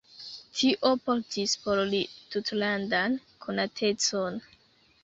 Tio portis por li tutlandan konatecon.